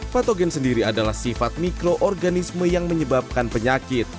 patogen sendiri adalah sifat mikroorganisme yang menyebabkan penyakit